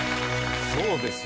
そうですよ。